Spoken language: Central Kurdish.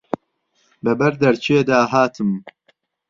بە بەر دەرکێ دا هاتم